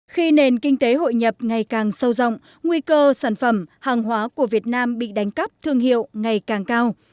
khi nền kinh tế hội nhập ngày càng sâu rộng nguy cơ sản phẩm hàng hóa của việt nam bị đánh cắp thương hiệu ngày càng cao